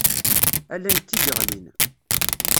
Ala nekk i yeɣlin.